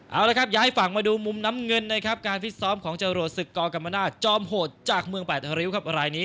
เอาละครับย้ายฝั่งมาดูมุมน้ำเงินนะครับการฟิตซ้อมของจรวดศึกกกรรมนาศจอมโหดจากเมืองแปดริ้วครับรายนี้